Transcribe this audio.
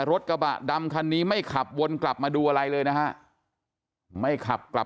รถกระบะดำคันนี้ไม่ขับวนกลับมาดูอะไรเลยนะฮะไม่ขับกลับ